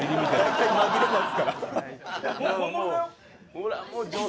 大体紛れますから。